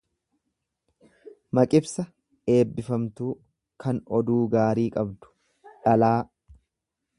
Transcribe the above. Maqibsa eebbifamtuu, kan oduu gaarii qabdu. dhalaa